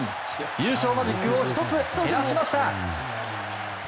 優勝マジックを１つ減らしました。